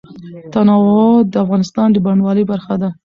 تنوع د افغانستان د بڼوالۍ برخه ده.